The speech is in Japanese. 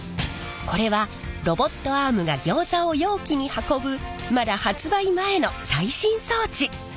これはロボットアームがギョーザを容器に運ぶまだ発売前の最新装置。